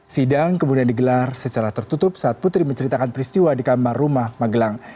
sidang kemudian digelar secara tertutup saat putri menceritakan peristiwa di kamar rumah magelang